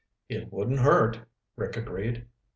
"It wouldn't hurt," Rick agreed.